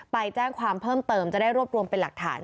ไปแจ้งความเพิ่มเติมจะได้รวบรวมเป็นหลักฐาน